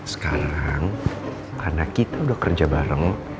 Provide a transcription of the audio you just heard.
sekarang karena kita udah kerja bareng